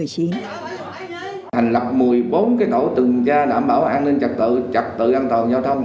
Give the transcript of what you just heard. xuống thành lập một mươi bốn tổ từng tra đảm bảo an ninh trật tự trật tự an toàn giao thông